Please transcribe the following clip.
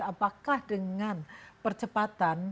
apakah dengan percepatan